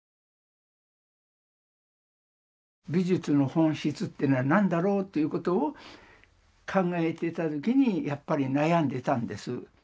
美術の本質っていうのは何だろうということを考えてた時にやっぱり悩んでたんです。